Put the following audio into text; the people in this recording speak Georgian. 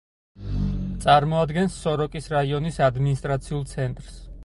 წარმოადგენს სოროკის რაიონის ადმინისტრაციულ ცენტრს.